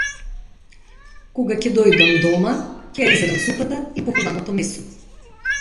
Кога ќе дојдам дома, ќе ја изедам супата и похувано- то месо.